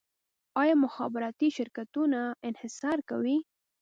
آیا مخابراتي شرکتونه انحصار کوي؟